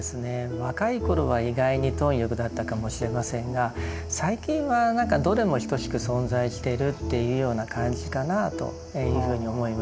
若い頃は意外に貪欲だったかもしれませんが最近はどれも等しく存在してるっていうような感じかなというふうに思います。